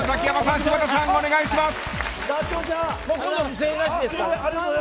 お願いします。